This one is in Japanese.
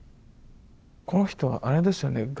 この人はあれですよね